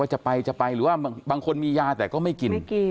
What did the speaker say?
จะไปจะไปหรือว่าบางคนมียาแต่ก็ไม่กิน